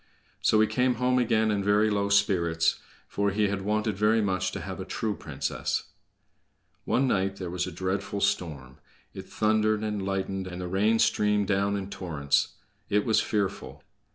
So he came home again in very low spirits, for he had wanted very much to have a true princess. One night there was a dreadful storm; it thundered and lightened and the rain streamed down in torrents. It was fearful!